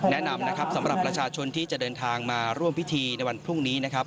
แนะนำนะครับสำหรับประชาชนที่จะเดินทางมาร่วมพิธีในวันพรุ่งนี้นะครับ